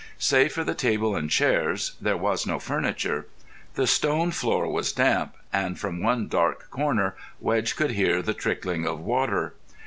Save for the table and chairs there was no furniture. The stone floor was damp, and from one dark corner Wedge could hear the trickling of water.